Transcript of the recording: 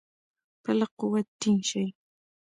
په لږ قوت ټینګ شي.